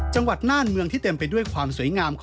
น่านเมืองที่เต็มไปด้วยความสวยงาม